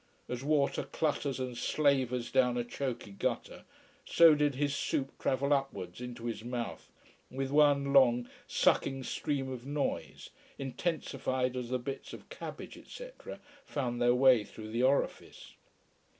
As water clutters and slavers down a choky gutter, so did his soup travel upwards into his mouth with one long sucking stream of noise, intensified as the bits of cabbage, etc., found their way through the orifice.